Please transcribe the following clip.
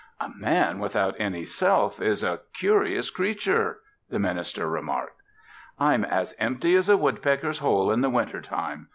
"A man without any Self is a curious creature," the minister remarked. "I'm as empty as a woodpecker's hole in the winter time.